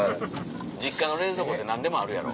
実家の冷蔵庫って何でもあるやろ。